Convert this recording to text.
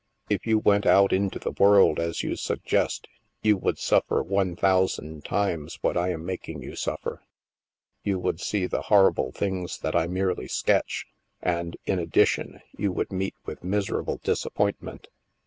If you went out into the world, as you suggest, you would suffer one thousand times what I am making you suffer. You would see the horrible things that I merely sketch. And, in addition, you would meet with miserable disappointment.